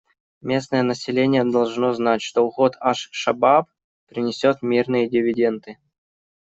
Местное население должно знать, что уход «Аш-Шабааб» принесет мирные дивиденды.